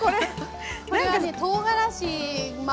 これはねとうがらし。